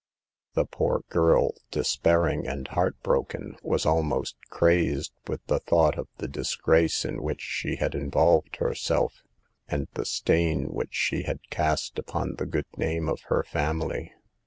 The poor girl, despairing and A LOST WOMAN SAVED. Ill heart broken, was almost crazed with the thought of the disgrace in which she had involved herself and the stain which she had cast upon the good name of her family.